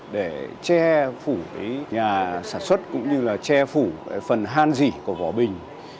để che phủ nhà sản xuất cũng như là che phủ phần han dỉ của vỏ bình